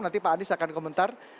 nanti pak anies akan komentar